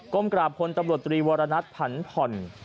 ก้มกราบพลตำรวจตรีวรณัทภัณฑ์ผ่อน